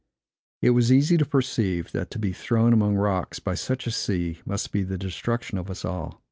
It was easy to perceive, that to be thrown among rocks, by such a sea, must be the destruction of us all.